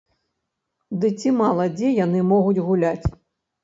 Ды ці мала дзе яны могуць гуляць.